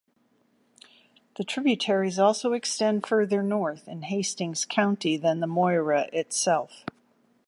The tributaries also extend further north in Hastings County than the Moira itself.